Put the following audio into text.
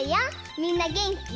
みんなげんき？